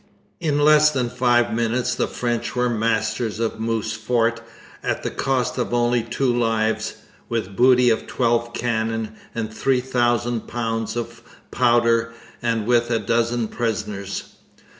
In less than five minutes the French were masters of Moose Fort at a cost of only two lives, with booty of twelve cannon and three thousand pounds of powder and with a dozen prisoners.